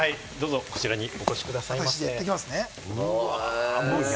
どうぞ、こちらにお越しくださいませ。